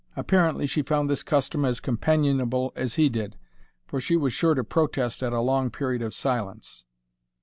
Apparently she found this custom as companionable as he did, for she was sure to protest at a long period of silence.